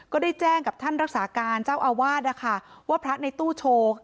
ก็ได้แจ้งกับท่านรักษาการเจ้าอาวาสนะคะว่าพระในตู้โชว์